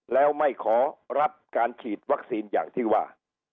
แล้วไม่ขอรับการฉีดวัคซีนอย่างที่ว่า